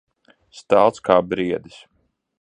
Stalts kā briedis.